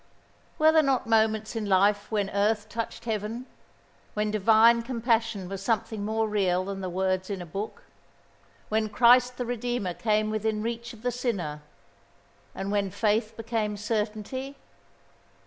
Were there not moments in life when earth touched heaven, when Divine compassion was something more real than the words in a book; when Christ the Redeemer came within reach of the sinner, and when Faith became certainty?